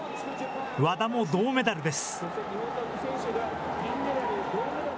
和田も銅メダルです。